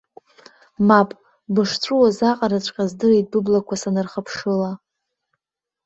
Мап, бышҵәуоз аҟараҵәҟьа здырит быблақәа санырхыԥшыла.